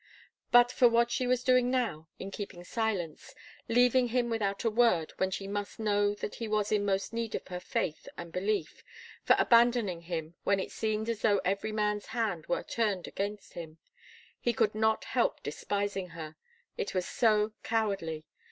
But for what she was doing now, in keeping silence, leaving him without a word when she must know that he was most in need of her faith and belief for abandoning him when it seemed as though every man's hand were turned against him he could not help despising her. It was so cowardly.